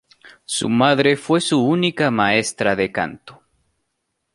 Su madre fue su única maestra de canto.